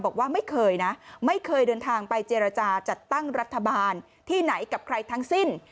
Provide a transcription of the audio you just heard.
บอกว่าไม่เคยนะไม่เคยเดินทางไปเจรจาจัดตั้งรัฐบาลที่ไหนกับใครทั้งสิ้น